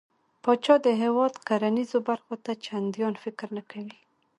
پاچا د هيواد کرنېزو برخو ته چنديان فکر نه کوي .